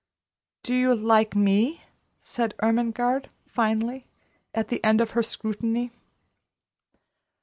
"Do you like me?" said Ermengarde, finally, at the end of her scrutiny.